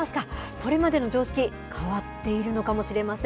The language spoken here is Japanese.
これまでの常識、変わっているのかもしれません。